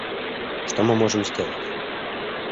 Что мы можем сделать?